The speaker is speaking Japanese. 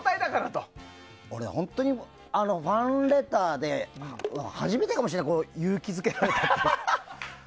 俺、本当にファンレターで初めてかもしれない勇気づけられたの。